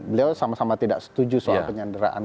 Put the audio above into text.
beliau sama sama tidak setuju soal penyanderaan